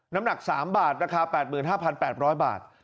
น้ำหนัก๓บาทราคา๘๕๘๐๐บาท